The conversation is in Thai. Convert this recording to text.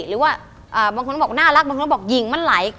หรือว่าบางคนก็บอกน่ารักบางคนก็บอกหญิงมันไหล